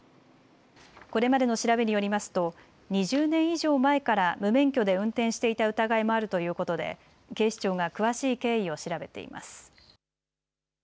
これまでの調べによりますと２０年以上前から無免許で運転していた疑いもあるということで警視庁が詳しい経緯を調べています。